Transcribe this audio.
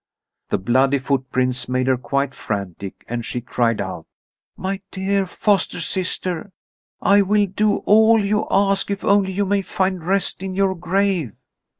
The bloody footprints made her quite frantic, and she cried out: "My dear foster sister, I will do all you ask if only you may find rest in your grave!"